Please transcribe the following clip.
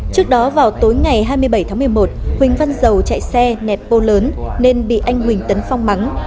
trước đó vào tối ngày hai mươi bảy tháng một mươi một huỳnh văn dầu chạy xe nẹp bô lớn nên bị anh huỳnh tấn phong mắng